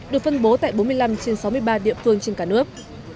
được phân bố tại bốn mươi năm trên sáu mươi ba địa phương trên cả nước